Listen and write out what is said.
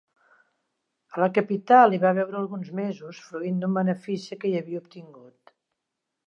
A la capital hi va veure alguns mesos, fruint d'un benefici que hi havia obtingut.